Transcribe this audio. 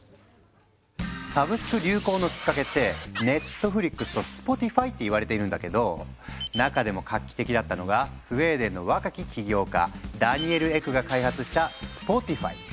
サブスク流行のきっかけって「ＮＥＴＦＬＩＸ」と「Ｓｐｏｔｉｆｙ」って言われているんだけど中でも画期的だったのがスウェーデンの若き起業家ダニエル・エクが開発した「スポティファイ」。